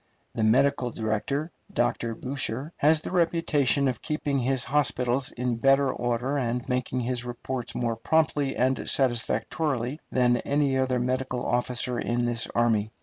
The medical director, Dr. Boucher, has the reputation of keeping his hospitals in better order and making his reports more promptly and satisfactorily than any other medical officer in this army.